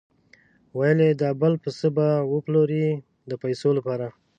ویل یې دا بل پسه به وپلوري د پیسو لپاره.